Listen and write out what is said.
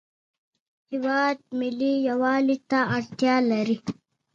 څو کاله وړاندې کشر زوی یې خرڅه کړې وه.